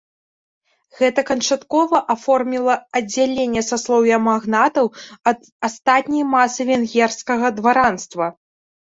Гэта канчаткова аформіла аддзяленне саслоўя магнатаў ад астатняй масы венгерскага дваранства.